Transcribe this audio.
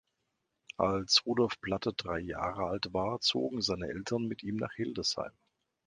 Als Rudolf Platte drei Jahre alt war, zogen seine Eltern mit ihm nach Hildesheim.